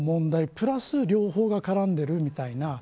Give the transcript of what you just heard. プラス両方が絡んでいるみたいな